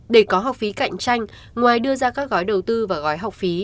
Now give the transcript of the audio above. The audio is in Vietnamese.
để có học phí cạnh tranh ngoài đưa ra các gói đầu tư và gói học phí